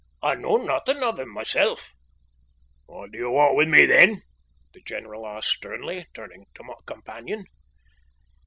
I know nothing of him myself." "What do you want with me, then?" the general asked sternly, turning to my companion.